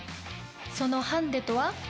そのハンデとは？